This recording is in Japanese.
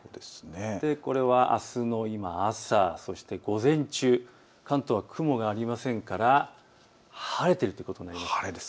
これはあすの朝、そして午前中、関東は雲がありませんから晴れるということになります。